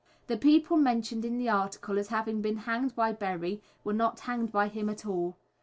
The people mentioned in the article as having been hanged by Berry were not hanged by him at all.